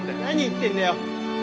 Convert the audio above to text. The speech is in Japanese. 何言ってるんだよ！